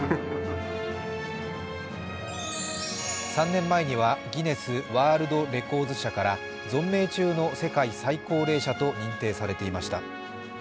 ３年前にはギネスワールドレコーズ社から存命中の世界最高齢者と認定されていました。